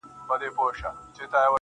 شېخ سره وښورېدی زموږ ومخته کم راغی~